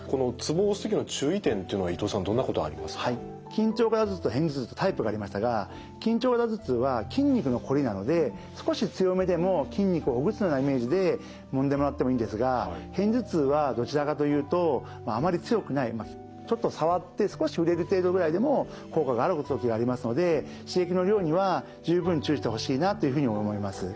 緊張型頭痛と片頭痛とタイプがありましたが緊張型頭痛は筋肉のこりなので少し強めでも筋肉をほぐすようなイメージでもんでもらってもいいんですが片頭痛はどちらかというとあまり強くないちょっと触って少し触れる程度ぐらいでも効果がある時がありますので刺激の量には十分注意してほしいなというふうに思います。